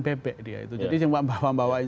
bebek dia itu jadi yang membawa bawain